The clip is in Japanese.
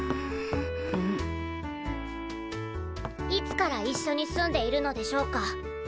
いつから一緒に住んでいるのでしょうか？